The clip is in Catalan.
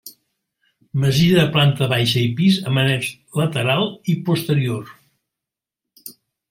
Masia de planta baixa i pis amb annex lateral i posterior.